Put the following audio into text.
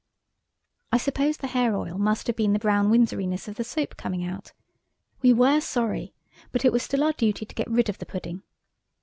I suppose the hair oil must have been the Brown Windsoriness of the soap coming out. We were sorry, but it was still our duty to get rid of the pudding.